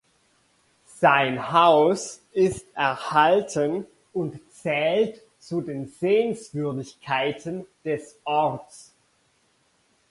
Sein Haus ist erhalten und zählt zu den Sehenswürdigkeiten des Orts.